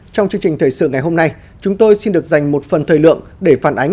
trong chương trình thời sự ngày hôm nay chúng tôi xin được dành một phần thời lượng để phản ánh